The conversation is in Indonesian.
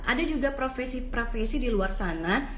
ada juga profesi profesi di luar sana